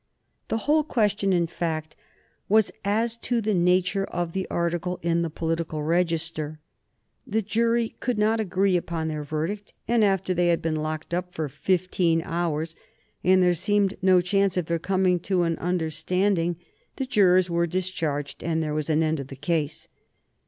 The whole question, in fact, was as to the nature of the article in the Political Register. The jury could not agree upon their verdict, and after they had been locked up for fifteen hours, and there seemed no chance of their coming to an understanding, the jurors were discharged and there was an end of the case.